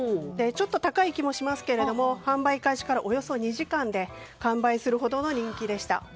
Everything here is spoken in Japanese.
ちょっと高い気もしますが販売開始からおよそ２時間で完売するほどの人気でした。